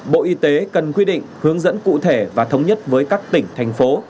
bộ y tế cần quy định hướng dẫn cụ thể và thống nhất với các tỉnh thành phố